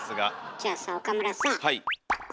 じゃあさ岡村さぁこれ。